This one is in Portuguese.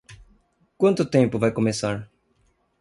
Quanto tempo vai começar?